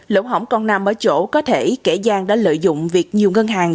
lỗ hỏng còn nằm ở chỗ có thể kẻ gian đã lợi dụng việc nhiều ngân hàng